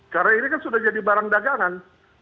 karena ini kan sudah jadi barang dagangan